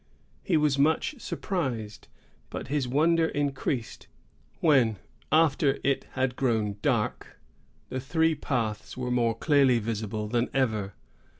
He was much surprised; but his wonder increased, when, after it had grown dark, the three paths were more clearly visible than ever.